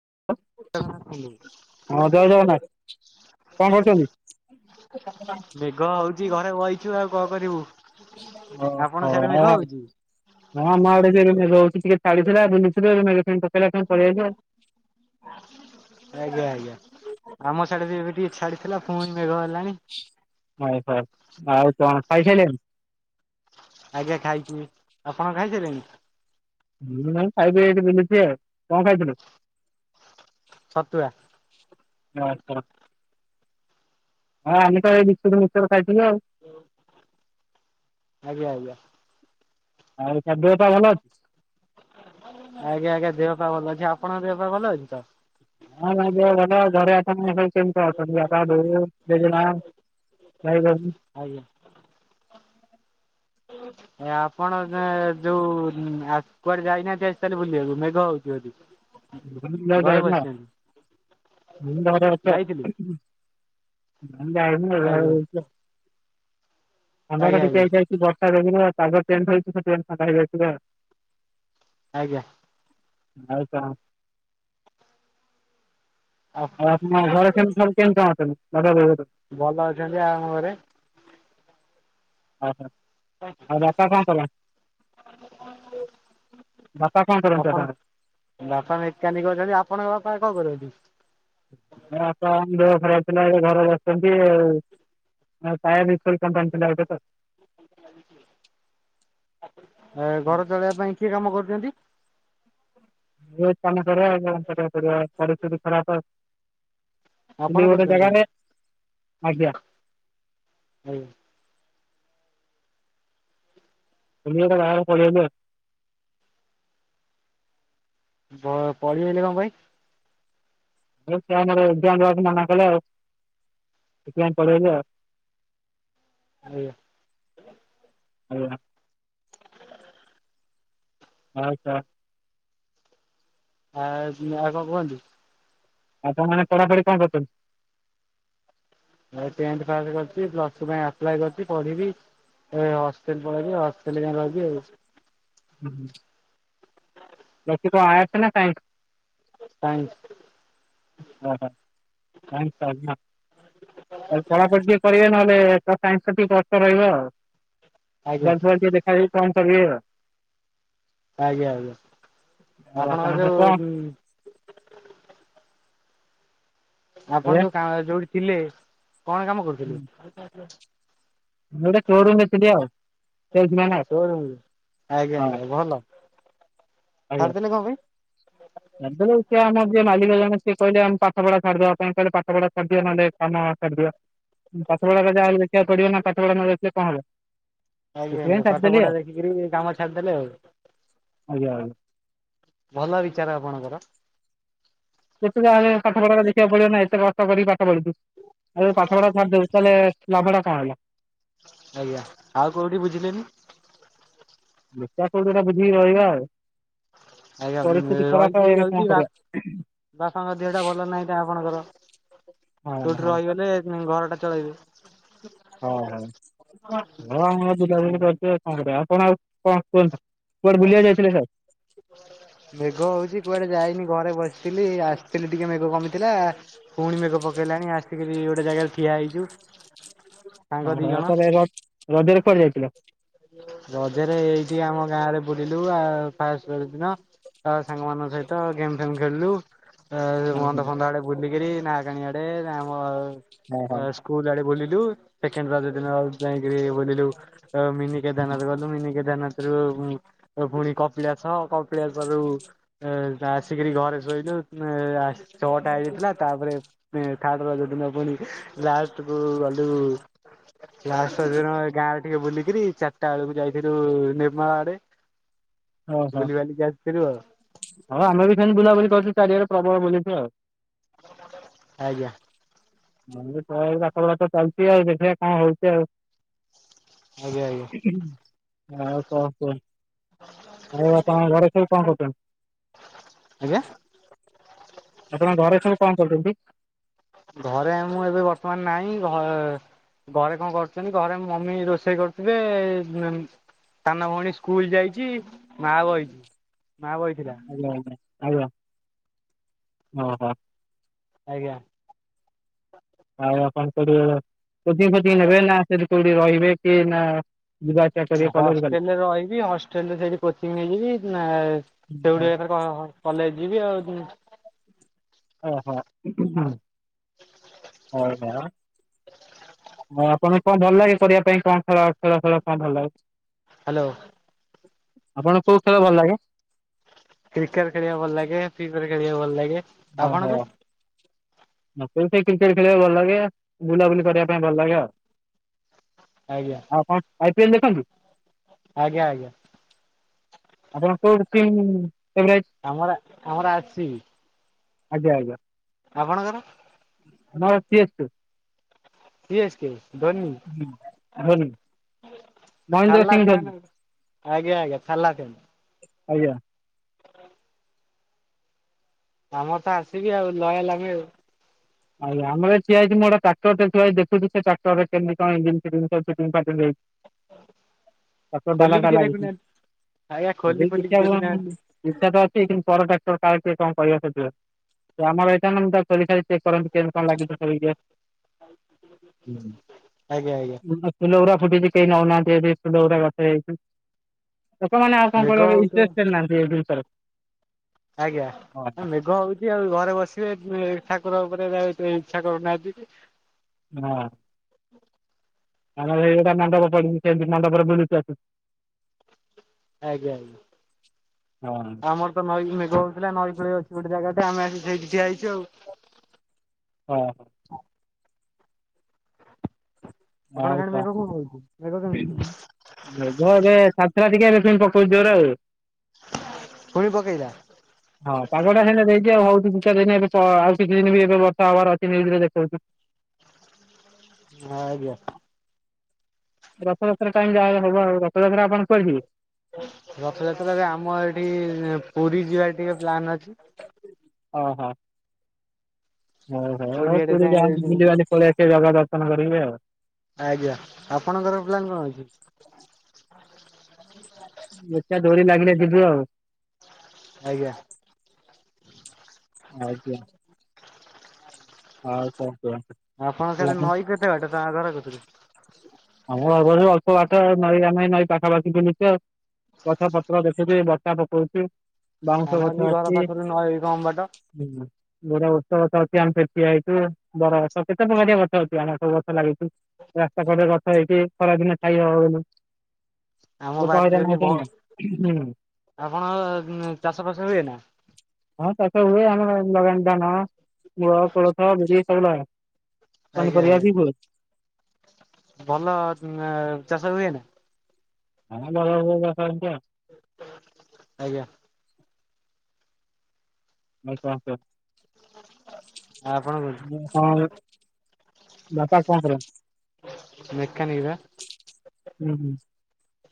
[unintelligible] ହଁ ଜୟ ଜଗନ୍ନାଥ କଣ କରୁଛନ୍ତି? ମେଘ ହଉଚି ଘରେ ବଇଚୁ ଆଉ କଁ କରିବୁ? ଆପଣ ଓହଁ ସିଆଡେ ମେଘ ହଉଛି? ଆଉ ଆଡେ ଯ ରହୁଛ। ଟିକେ ଛାଡି ଥିଲା [inaudible] ଟିକିଏ ଛାଡି ଲାଖୁଣୁ ପଳେଇ ଆଇଲୁଆଉ। ଆଜ୍ଞା ଆଜ୍ଞା ଆମ ସିଆଡେ ବି ଏବେ ଟିକେ ଛାଡିଥିଲା ପୁଣି ମେଘର ହଉ ହଉ ଆଉ କଣ ଖାଇସାଇଲେଣି। ଆଜ୍ଞା ଖାଇଛି ଆପଣ ଖାଇସାରିଲେଣି। ହୁଁ ନାଇଁ ଖାଇକି ଏଇଠି ପଧୁଛି ଆ କଣ ଖାଇଥିଲୁ। ଛତୁଆ। ହଁ ଆମେତ ଏଇ ବିସ୍କୁଟ ମିସ୍କଚର ଖାଇଚୁ। ଆଜ୍ଞା ଆଜ୍ଞା। ଆଉ ତା ଦେହପା ଭଲ ଅଛି। ଆଜ୍ଞା ଆଜ୍ଞା ଦେହ ପା ଭଲ ଅଛି ଆପଣଙ୍କ ଦେହ ପା ଭଲ ଅଛି ତ। ହଁ [inaudible] ଆଜ୍ଞା। [unintelligible] ଏ ଆପଣ ଯେ ଯୋଉ ହୁଁ ଆ କୁଆଡେ ଯାଇନାହାନ୍ତି ଆସି ତାହେଲେ ବୁଲିବାକୁ ମେଘ ହଉଛି ବୋଲି। ଘରେ ବସିଛନ୍ତି ଯାଇଥିଲି [unintelligible] ଆଜ୍ଞା [inaudible] ଆଜ୍ଞା ଥଣ୍ଡା ଟା ଟିକେ ଆଜ୍ଞା ହେଇଯାଇଛି ବର୍ଷା ଯୋଗୁ ପାଗ ଚେଞ୍ଚେ ହେଇଚିତ ସେ ଥଣ୍ଡା ହେଇଯାଇଛି ଆଉ। ଆଜ୍ଞା। ଆଉ କଣ। ଆଉ ଆପଣ ଘର କେମ୍ତି କଣ ସବୁ ଅଛନ୍ତି ବଡ଼ିଆ ସବୁ। ଭଲ ହେଇଥାନ୍ତା ଆମ ଘରେ। ଓହୋ ଆଉ ବାପା କଣ କଲେ। ଆପଣ ବାପା ମେକାନିକ୍ ଅଛନ୍ତି, ଆପଣଙ୍କ ବାପା କଣ କରୁଛନ୍ତି। ବାପା ଦେହ ଖରାପ ଥିଲା ଏ ଘରେ ବସିଛନ୍ତି ଆଉ [inaudible] [inaudible] ଏ ଘର ଚଳେଇବା ପାଇଁ କିଏ କାମ କରୁଛନ୍ତି। କାମ କରିବା କରିବାକୁ ପଡିବ ଆଉ ପରିସ୍ଥିତି ଖରାପ ଆଉ। ଆପଣ କିନ୍ତୁ ଗୋଟେ କରୁଛନ୍ତି କାମ ଜାଗାରେ ଆଜ୍ଞା। ହଉ। [unintelligible] ପ ପଳେଇଗଲେ କଣ ପାଇଁ? [inaudible] ମନା କଲେ ଆଉ। ସେଥିପାଇଁ ପଳେଇଲେ ଆଉ। ହୁଁ। ଆଜ୍ଞା। ଆଉ କଣ। ଆ ଆଉ କଣ କୁହନ୍ତୁ। ଆପଣ ମାନେ ପଢ଼ା ପଢ଼ି କଣ କରୁଛନ୍ତି। ମୁଁ ଟେନ୍ଥ ପାସ୍ କରିଛି ପ୍ଲଷ୍ଟୁ ପାଇଁ ଆପ୍ଲାଏ କରିଛି ପଢିବି। ଏ ହଷ୍ଟେଲ ପଳେଇବି ହଷ୍ଟେଲ ଯାଇ ରହିବି ଆଉ। ହୁଁ। କିଦୁ ଆଡ୍ସ୍ ନା ସାଇନ୍ସ। ସାଇନ୍ସ। ଅହ କଣ କରିବା ପଢା ପଢି ଟିକେ କରିବା ନହେଲେ। ଟିକେ ସାଇନ୍ସ ଟା କଷ୍ଟ ରହିବ ଆଉ ଆଜ୍ଞା ବହି ଫଇ ଟିକେ ଦେଖା ଦୁଖି କଣ କରିବା। ଆଜ୍ଞା ଆଜ୍ଞା ଆପଣଙ୍କର ଆପଣଙ୍କ କଣ ଯୋଉ ଆପଣ ଏବେ ଯୋଉ କା ଯୋଉଠି ଥିଲେ କଣ କାମ କରୁଥିଲେ। ମୁଁ ଗୋଟେ ଶୋରୁମ୍ ରେ ଥିଲି ଆଉ। ସେଲ୍ସମ୍ୟାନ୍ ଆଉ ଶିରୁମ୍ ଆଜ୍ଞା ହଁ ଆଜ୍ଞା ଭଲ। ଛାଡିଦେଲେ କଣ ପାଇଁ? ଏବେ ଯୁ ସେ ଆମର ଯିଏ ମାଲିକ ଜଣ ସିଏ କହିଲେମେ ପାଠ ପଢ଼ା ଛାଡ୍ଦବା ପାଇଁ କହିଲେ ପାଠ ପଢ଼ା ଛାଡିଦିଅ ନହେଲେ କାମ ଛାଡିଦିଅ। ପାଠପଢ଼ା ଟା ଯାହା ହେଲେ ଦେଖିବାକୁ ପଡିବ ନା ପାଠପଢ଼ା ନ ଦେଖିଲେ କଣ ହବ। ଆଜ୍ଞା ସେଥିପାଇଁ ଆଜ୍ଞା ପାଠ ଛାଡିଦେଲି ପଢା ଆଉ ଦେଖିକିରି କାମ ଛାଡିଦେଲେ ଆଉ। ଆଜ୍ଞା ଆ ଭଲ ବିଚାର ଆପଣଙ୍କର। ଯେତେ ଯାହାଲେ ପାଠ ପଢାଟା ଦେଖିବାକୁ ପଡିବ ନା ଏତେ କଷ୍ଟ କରିକି ପାଠ ପଠପଡ଼ିଚି ଯଦି ପାଠଟା ଛାଡିଦେବି ତାହେଲେ ଲାଭଟା କଣ ହେଲା। ଆଜ୍ଞା ଆଉ କୋଉଠି ବୁଝିଲେନି? ଦେଖିବା କୋଉଠି ଗୋଟେ ବୁଝିକି ରହିବା ଆଉ। ଆଜ୍ଞା ପରିସ୍ଥିତି ଖରାପ ଆଉ ରହିଛି ଏବେ କଣ ରହିଛି କରିବା ବାପ ବାପାଙ୍କ ଦେହଟା ଭଲ ନାହିଁ ତ ଖଆପଣଙ୍କର। ହଁ ସେଉଠି ରହିଗଲେ ଘରଟା ଚଳେଇବି। ହଁ ହଉ ହ ଆମ ବୁଲାନୁଲି ଆଜ୍ଞା। କରୁଛି କଣ ଆଉ। [unintelligible] ଅପଣ ଆଉ କଣ କୁହତନୁ କୁଆଣେ ବୁଲିବାକୁ ଯାଇଥିଲେ ସାର୍? ମେଘ ହଉଛି କୁଆଡେ ଯାଇନି ଘରେ ବସିଥିଲି ଆସିଥିଲି ଟିକେ ମେଘ କମି ଥିଲା ପୁଣି ମେଘ ପକେଇଲାଣି ଆସିକିରି ଗୋଟେ ଜାଗାରେ ଠିଆ ହେଇଛୁ। ସାଙ୍ଗ ଦି ଓହୋ ଜଣ। ତାହେଲେ ର ରଜରେ କୁଆଡେ ଯାଇଥିଲା? ରଜରେ ଏଇଠି ଆମ ଗାଁ ରେ ବୁଲିଲୁ ଆଉ ଫାଷ୍ଟ, ଯୋର ଦିନ ତା ସାଙ୍ଗମାନାନଙ୍କ ସହିତ ଗେମ୍ ଫେମ୍ ଖେଳିଲୁ ହୁଁ ଵନ୍ଦ ହୁଁ ଫନ୍ଦ ଆଡେ ବୁଲିକିରି ନାକାଣି ଆଡେ ଆମ ଓହୋ ଆଉ ସ୍କୁଲ ଆଡେ ବୁଲିଲୁ ସେକେଣ୍ଡ ରଜଦିନ ଯାଇକିରି ବୋଲିଲୁ ମିନି କେଦାରନାଥ ଗଲୁ ମିନି କେଦାରନାଥ ରୁ ପୁଣି କପିଳାସ କପିଳାସରୁ ଆସିକିରି ଘରେ ଶୋଇଲୁ ଛଅଟା ହେଇଯାଇଥିଲା ତାପରେ ଥାଡେ ରଜ ଦିନ ପୁଣି ଲାଷ୍ଟକୁ ଗଲୁ ଲାଷ୍ଟଦିନ ଏ ଗାଁ ଟିକେ ବୁଲିକିରି ଚାରିଟା ବେଳକୁ ଯାଇଥିଲୁ ନିମାଳ ଆଡେ ବୁଲିିବାଲି କି ଆ [unintelligible] ହଁ ଆମେ ବି ସେମିତି ବୁଲାବୁଲି କରୁଛୁ ଚାରିଆଡେ ପ୍ରବଳ ବୁଲିଛୁ ଆଉ। ଆଜ୍ଞା। ମୁ କ ବ [unintelligible] ଚାଲିଛି ଆଉ ଦେଖିବା କଣ ହଉଛି ଆଉ। ଆଜ୍ଞା ଆଜ୍ଞା। ଆଉ କଣ କୁହ ଆଉ ଆପଣଙ୍କ ଘରେ ସବୁ କଣ କରୁଛନ୍ତି? ଆଜ୍ଞା ଆପଣଙ୍କ ଘରେ ସଵୁ କଣ କରୁଛନ୍ତି? ଘରେ ମୁଁ ଏବେ ବର୍ତ୍ତମାନ ନାହିଁ ଘ ଘରେ କଣ କରୁଛନ୍ତି ଘରେ ମମି ରୋଷେଇ କରୁଥିବେ ସାନ ଭଉଣୀ ସ୍କୁଲ ଯାଇଛି ମା ବଇଛି ମା ବଇଥିଲା। ଆଜ୍ଞା ଆଜ୍ଞା ଆଜ୍ଞା ଓ ହୋ। ଆଜ୍ଞା। ଆଉ ଆପଣ କୋଉଠି ରହିବେ କୋଚିଙ୍ଗ ଫୋଚିଙ୍ଗ ନେବେ ନା ସେଠି କୋଉଠି ରହିବେ କି ନା ଯିବା ଆସିବା କରିବେ କଲେଜ ଗଲେ? ହଷ୍ଟେଲରେ ରହିବି ହଷ୍ଟେଲରେ ସେଇଠି କୋଚିଂ ନେଇଯିବି ନା ସେଉଠି ଏଥର କ କଲେଜ ଯିବି ଆଉ ଓ ହ ହୁଁ ହୁଁ ହଉ [unintelligible] ମୁଁ ଆପଣଙ୍କୁ କଣ ଭଲ ଲାଗେ କରିବା ପାଇଁ କଣ ଖେଳ ଖେଳ ଖେଫେଳ କଣ ଭଲ ଲାଗୁଛି। ହାଲୋ। ଆପଣଙ୍କୁ କୋଉ ଖେଳ ଭଲ ଲାଗେ? କ୍ରିକେଟ ଖେଳିବାକୁ ଭଲ ଲାଗେ ଫ୍ରିଫାୟାର ଖେଳିବାକୁ ଭଲ ଲାଗେ। ଓ ହୋ। ଆପଣଙ୍କୁ [unintelligible] କ୍ରିକେଟ ଖେଳିବାକୁ ଭଲ ଲାଗେ ବୁଲାବୁଲି କରିବା ପାଇଁ ଭଲ ଲାଗେ ଆଉ। ଆଜ୍ଞା। ଆଉ ଆପଣ ଆଇ ପି ଏଲ ଦେଖନ୍ତି? ଆଜ୍ଞା ଆଜ୍ଞା ଆଉ କୁଆଡେ ଷ୍ଟିମ୍ ଆମର ଆମର ଆର୍ ସି ବି। ଆଗିଅ ଆଗିଅ। ଆପଣଙ୍କର? ମୋର C S K. C S K Dhoni. Dhoni Mahendra Singh ଚାଲାଖିଆ ଧୋନି ନା ଆଉ ଆଜ୍ଞା ଆଜ୍ଞା ଚାଲାଖିନା। ଆଜ୍ଞା। ଆମର ତ ଆର୍ ସି ବି ଆଉ ଲୟାଲ ଆମେ ଆଉ। ଆଜ୍ଞା ଆମର ଏ ଠିଆ ହେଇକି ମୁଁ ଗୋଟେ ଟାକ୍ଟରଟେ ଠିଆ ହେଇଚି ମୁଁ ଦେଖୁଚି ସେ ଟାକ୍ଟରରେ କେମିତି କଣ ଇଞ୍ଜିନ ଫିଞ୍ଜିନ ସବ ଫିଟିଙ୍ଗ [unintelligible] ତାର କୋଉ ଖୋଲିକି ଡାଲାଟା ଟିକେ ଲାଗିଚି। ଦେଖୁନାହାନ୍ତି ଆଜ୍ଞା ଏବେ ଖୋଲି ବି ଖୋଲିକି ଶିଖିବା ଦେଖୁନାହାନ୍ତି ପାଇଁ ଇଚ୍ଛା ତ ଅଛି କିନ୍ତୁ ପରଟା ତ କାଳେ କିଏ କଣ କହିବ ସେଥିରୁ ଯଦି ଆମର ହେଇଥାନ୍ତା ମୁଁ ତାକୁ ଚଲେଇକି ଖାଲି ଚେକ କରନ୍ତି କେମି କଣ ଲାଗିବ [unintelligible] ହୁଁ ଆଜ୍ଞା ଆଜ୍ଞା ମୁଁ [unintelligible] [unintelligible] ବି କେହି ନୋଉନାହାନ୍ତି ଏଠି ଫୁଲଉରା ଗଛ ହେଇଛି। ଲୋକମାନେ ଆଉ କଣ ମେଘ କହିଲ କେହି ହଉଥିବ। ଇଣ୍ଟରେଷ୍ଟେଡ୍ ନାହାନ୍ତି ଏଇ ଜିନିଷରେ। ଆଜ୍ଞା ହଁ ଆ ମେଘ ହୋଉଚି ଆଉ ଘରେ ବସିବେ ଉଁଏ ଠାକୁର [unintelligible] ଏରା ଏତ ଇଚ୍ଛା କରୁନାହାନ୍ତିକି। ହଁ। ହୁଁ ନା ନା ଭାଇ ଏଇଟା ମଣ୍ଡପ ପଡିନି ସେମିତି ମଣ୍ଡପରେ ବୁଲୁଚି ଆସି। ଆଜ୍ଞା ଆଜ୍ଞା ହଁ ଆଉ ଆମର ତ ନଈ ମେଘ ହୋଉଥୁଲା ନଈ କୂଳେ ଅଛି ଗୋଟେ ଜାଗା। ଆମେ ଆସି ସେଇଠି ହେଇଛୁ ଆଉ। ହଁ ଆପଣଙ୍କ ଆଉ ସାଡେ ମେଘ ହଉଛି ମେଘ କଣ କେମିତି ଯଦି ଏବେ ଖା ସେରା ଟିକେ ଏରା ସେମତି ପକୋଉଚି ଜୋରେ ଆଉ। ଫୁଣି ପକେଇଲା। ହଁ ପାଗଟା ସେଦିନ ଦେଇ ଚି ଆଉ ହୋଉ ତୁ ଦୁଇ ଚାରି ଦିନ ଏବେ ଆଉ କିଛି ଦିନ ବି ଏବେ ବର୍ଷା ହବାର ଅଛି ନ୍ୟୁଜରେ ଦେଖୋଉଚି। ଆଜ୍ଞା। ରଥଯାତ୍ରା ଟାଇମ ଯାହା ହବ ଆଉ ରଥଯାତ୍ରା ଆପଣ କୁଆଡେ ଯିବେ? ରଥଯାତ୍ରାରେ ଆମ ଏଠି ପୁରୀ ଯିବାର ଟିକେ ପ୍ଲାନ ଅଛି। ଓହୋ। ହୋଉ ହୋଉ ହୋଉ ଆଡେ ପୁରୀ ଯାଏ ଯାଆନ୍ତୁ ଯିବୁ ବୁଲିବାଲି ପଳେଇଆସିବେ ଜାଗା ଦର୍ଶନ କରିକି ଆଉ। ଆଜ୍ଞା ଆପଣଙ୍କର ପ୍ଲାନ୍ କଣ ଅଛି? ଦେଖିଆ ଡୋରି ଲାଗିଲେ ଯିବୁ ଆଉ। ଆଜ୍ଞା। ଆଉ ଯା ହ ଆଉ କ ଆଉ ଆପଣ ସିଆଡେ ନଈଁ କେତେ ବାଟ ତାଙ୍କ ଘର କତୁରୁ? ଆମ ଘର ପାଖରୁ ଅଳ୍ପ ବାଟ ନଈ ଆମେ ନଈ ପାଖାପାଖି ବୁଲିଚୁ ଆଉ। ଗଛ ପତ୍ର ଦେଖୁଚି ବର୍ଷା ପକୋଉଛି। ବାଉଁଶ ଆମର ବଛ ବି ଘର ଆଛି ପାଖରୁ ନଈ କମ ବାଟ ଆଁ ଯୋଉରା ଅଷ୍ଟ ବେତାଳ ଆମେ ସେଠି ଠିଆ ହେଇଚୁ ବର ଗଛ କେତେ ପ୍ରକାରିଆ ଗଛ ଅଛି ଆମେ ସବୁ ଗଛ ଲାଗିଛୁ। ରାସ୍ତା କଡରେ ଗଛ ହେଇଚି ଖରାଦିନେ ଛାଇ ହବ ବୋଲି। ଆମ ଲୋକ ବାରିରେ ହଇରାଣ ବି ହଉଛନ୍ତି ବୋହ ନା। ହୁଁ, ଆପଣଙ୍କ ଚାଷ ଫାସ ହୁଏ ନା? ହଁ ଚାଷ ହୁଏ ଆମର ଲଗାନ୍ତି ଧାନ ମୁଗ, କୋଳଥ, ବିରି ସବୁ ଲଗା ଆଜ୍ଞା ପନିପରିବା ଆଜ୍ଞା ବି ହୁଏ। ଭଲ ଚାଷ ହୁଏ [unintelligible] [unintelligible] ଆଜ୍ଞା। ଆଚ୍ଛା ଆଚ୍ଛା ଆପଣ କୋଉଠି [unintelligible] ବାପା କଣ କରନ୍ତି? ମେକାନିକ୍ ପା। ହୁଁ ହୁଁ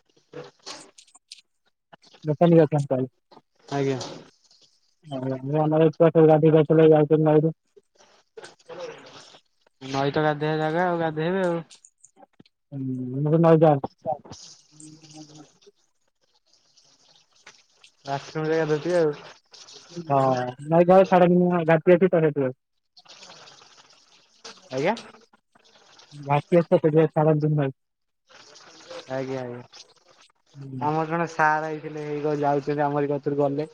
[inaudible] [unintelligible] ଆଜ୍ଞା। [unintelligible] ନଈ ତ ଗାଧୋଇବା ଜାଗା ଆଉ ଗାଧେଇବେ ଆଉ। ହୁଁ। [unintelligible] ବାଥରୁମରେ ଗାଧଉଥିବେ ଆଉ ହଁ ନଈ [unintelligible] [unintelligible] ଆଜ୍ଞା। [unintelligible] ଆଜ୍ଞା ଆଜ୍ଞା ଆମର ଜଣେ ସାରେ ଯାଉଛନ୍ତି ଆମରି କତିରୁ ଗଲେ।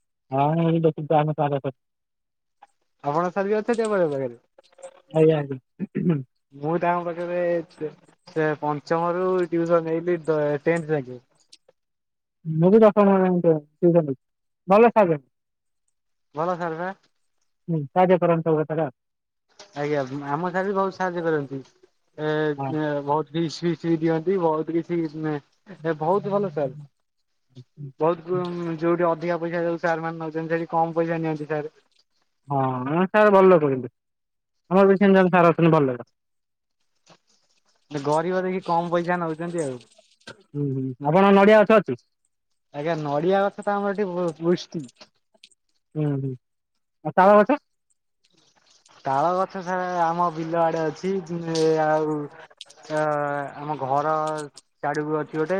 [unintelligible] ଆପଣ ସାରିକି ଅଛନ୍ତି [unintelligible] ଆଜ୍ଞା। ଆଜ୍ଞା। ମୁଁ [unintelligible] [unintelligible] ପଞ୍ଚମରୁ ଟ୍ୟୁସନ୍ ହେଲି ଟେନ୍ଥ [unintelligible] ମୁଁ ବି ଦଶମ [unintelligible] ଭଲ ସାରେ ବା। ହୁଁ ସାହାଯ୍ୟ କରନ୍ତୁ [unintelligible] ଆଜ୍ଞା ଆମ ସାରେ ବି ବହୁତ୍ ସାହାଯ୍ୟ କରନ୍ତି। ଆଉ ଏ ବହୁତ୍ କିିସ୍ ଫିସ୍ ବି ଦିଅନ୍ତି ବହୁତ୍ କିଛି ଏ ବହୁତ୍ ଭଲ ସାରେ ବହୁତ୍ ହଁ। ଯୋଉଠି ଅଧିକା ପଇସା ଯୋଉ ସାରେ ମାନେ ନଉଛନ୍ତି ସେଠି କମ୍ ପଇସା ନିଅନ୍ତି ସାର୍। ହଁ ସାର୍ ଭଲ ଲୋକ କିନ୍ତୁ। ଆମର ବି ସେମିତି ଜଣେ ସାରେ ଅଛନ୍ତି ଭଲ ଲୋକ। ଗରିବ ଦେଖି କମ ପଇସା ନଉଛନ୍ତି ଆଉ ହୁଁ ହୁଁ ଆପଣ ନଡ଼ିଆ ସ [unintelligible] ଆଜ୍ଞା ନଡ଼ିଆ ଗଛ ତ ଆମର ଏଠି ବୁ ବୃଷ୍ଟି। ହୁଁ ହୁଁ ଆଉ ତାଳ ଗଛ? ତାଳ ଗଛ [unintelligible] ଆମ ବିଲ ଆଡେ ଅଛି ଆଉ ଅ ଆମ ଘର ସିଆଡ଼କୁ ଅଛି ଗୋଟେ।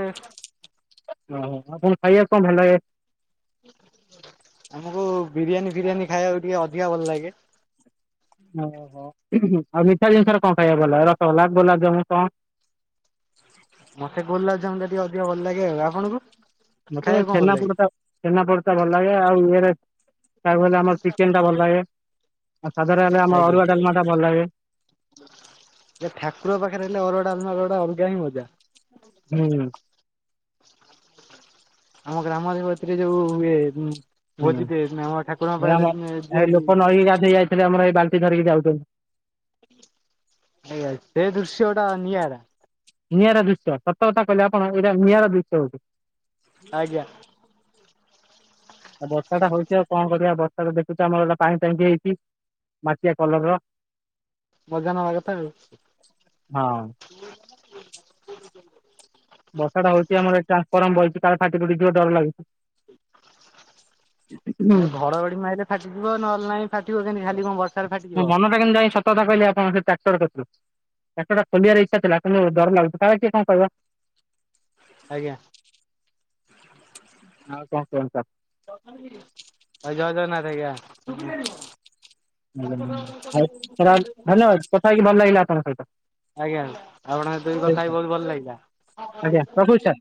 ଓହୋ ଆପଣ ଖାଇବାକୁ କଣ ଭଲ ଲାଗେ? ଆମକୁ ବିରିୟାନୀ ଫିରିୟାନୀ ଖାଇବାକୁ ଟିକେ ଅଧିକା ଭଲ ଲାଗେ। ଓହୋ ଆଉ ମିଠା ଜିନିଷରେ କଣ ଖାଇବା ଭଲ ରସଗୋଲା, ଗୁଲାବଜାମୁନ୍, କଣ? [inaudible] ମତେ ଗୁଲାବଜାମୁନ୍ ଟା ଟିକେ ଅଧିକ ଭଲ ଲାଗେ ଆଉ ଆପଣଙ୍କୁ? ମତେ ଖାଇବାକୁ କଣ ଭଲ ଛେନା ଲାଗେ? ପୋଡ଼ ଟା ଛେନା ପୋଡ଼ ଟା ଭଲ ଲାଗେ ଆଉ ହେରା [unintelligible] ଆମର ଚିକେନ୍ ଟା ଭଲ ଲାଗେ। ଆଉ ସାଧା ରେ ହେଲେ ଆମ ଆଜ୍ଞା ଅରୁଆ ଡ଼ାଲମା ଟା ଭଲ ଲାଗେ। ଏ [unintelligible] ଅରୁଆ ଡ଼ାଲମା ର ଅଲଗା ହିଁ ମଜା। ହୁଁ। ଆମ ଗ୍ରାମରେ ଏଥିରେ ଯୋଉ ହୁଏ ହୁଁ। ହୁଁ ଭୋଜି ଟେ ଆମ ଠାକୁରଙ୍କ ପାଖରେ ଏଁ, ଦିଅନ୍ତି। ହେଲେ ଆମର ଏଇ ବାଲ୍ଟି ଧରିକି ଯାଉଚୁ। ଆଜ୍ଞା ଏ ଦୃଶ୍ୟଟା ନିଆରା। ନିଆରା ଦୃଶ୍ୟ ସତକଥା କହିଲେ ଆପଣ ଏଇଟା ନିଆରା ଦୃଶ୍ୟ ହଉଚି। ଆଜ୍ଞା। ଆଉ ବର୍ଷା ଟା ହଉଚି ଆଉ କଣ କରିବା। ବର୍ଷା ଟା ଦେଖୁଚ ଆମର ଗୋଟେ ପାଣି ଟାଙ୍କି ହେଇଚି। ମାଟିଆ କଲର୍ ର। ମଜା ନବା କଥା ଆଉ। ହଁ। ସେ କାଳେ ଫାଟି ଫୁଟି ଡର ଲାଗୁଚି। ଏ ଘଡଘଡି ମାଇଲେ ଫାଟିଯିବ। ନହେଲେ ନାଇଁ ଫାଟିବ କେମିତି ଖାଲି କଣ ବର୍ଷାରେ ଫାଟିଯିବ। ହଁ ସେ ଟ୍ରାକ୍ଟର କରଚୁ। ଟାଟଟା ଖୋଲିବାର ଇଚ୍ଛା ଥିଲା କିନ୍ତୁ ଡର ଲାଗୁଚୁ କାଳେ କିଏ କଣ କହିବ। ଆଜ୍ଞା। ଆଉ କଣ କୁହନ୍ତୁ ଆ ଜୟ ଜଗନ୍ନାଥ ଆଜ୍ଞା। [unintelligible] ଆଉ [unintelligible] ଧନ୍ୟବାଦ କଥା ହେଇକି ଭଲ ଲାଗିଲା। ତୋମ ସହିତ ଆଜ୍ଞା ଆପଣଙ୍କ ସହିତ ବି କଥା ହେଇ ବହୁତ ଭଲ ଲାଗିଲା। ଆଜ୍ଞା ରଖୁଛି ସାର୍।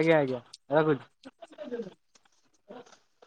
ଆଜ୍ଞା ଆଜ୍ଞା ରଖୁଚି। [inaudible]